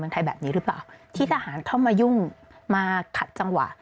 สิ่งที่ประชาชนอยากจะฟัง